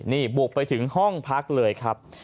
นี่บุกไปถึงห้องพักเลยครับ